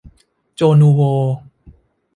โจ นูโว